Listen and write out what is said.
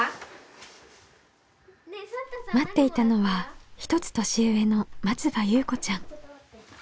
待っていたのは１つ年上の松場ゆうこちゃん。